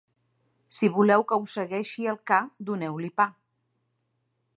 Si voleu que us segueixi el ca, doneu-li pa.